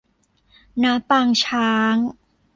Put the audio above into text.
ณ ปางช้าง